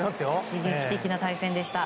刺激的な対戦でした。